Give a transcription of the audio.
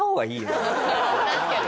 確かに。